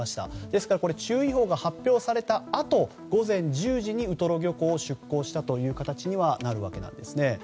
ですから注意報が発表されたあと午前１０時にウトロ漁港を出港した形にはなります。